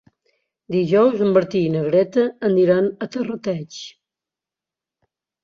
Dijous en Martí i na Greta aniran a Terrateig.